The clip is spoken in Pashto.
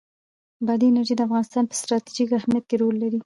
بادي انرژي د افغانستان په ستراتیژیک اهمیت کې رول لري.